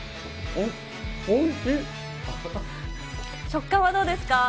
食感はどうですか？